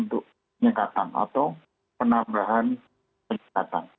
untuk penyekatan atau penambahan penyekatan